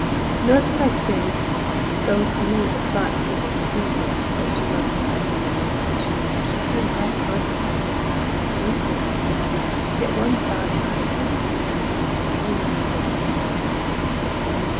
Nor could I think, though to me the thought seemed as treason, that she loved her husband overmuch, for she seemed half condescending and half disdainful to him; yet one thought not of this in her presence, but only remembered it when she had gone.